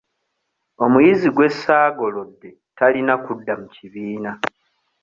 Omuyizi gwe ssaagolodde talina kudda mu kibiina.